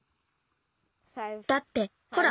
だってほら